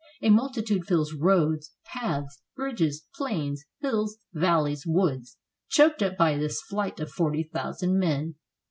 A multitude fills roads, paths, bridges, plains, hills, valleys, woods, choked up by this flight of forty thousand men.